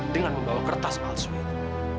dengan membawa kertas palsu itu